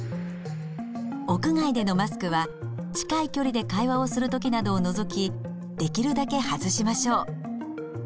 屋外でのマスクは近い距離で会話をする時などを除きできるだけ外しましょう。